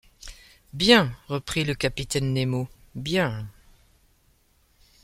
Bien, reprit le capitaine Nemo, bien !...